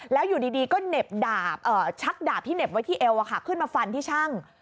แล้วอยู่ดีก็เหน็บดาบชักดาบที่เหน็บไว้ที่เอวขึ้นมาฟันที่ช่าง